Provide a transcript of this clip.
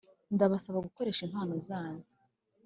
ndabasaba gukoresha impano zanyu